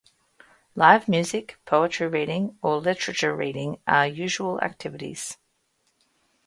Live music, poetry reading, or literature reading are usual activities.